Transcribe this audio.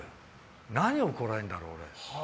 何を怒られるんだろう、俺。